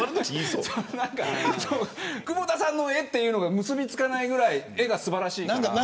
久保田さんの絵というのが結びつかないぐらい絵が素晴らしいから。